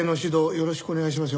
よろしくお願いしますよ